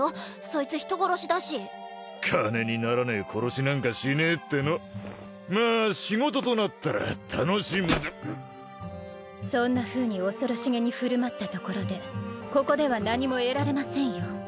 そいつ人殺しだし金にならねえ殺しなんかしねえってのまあ仕事となったら楽しむそんなふうに恐ろしげに振る舞ったところでここでは何も得られませんよ